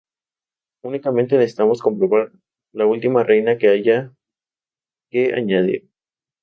Únicamente necesitamos comprobar la última reina que haya que añadir.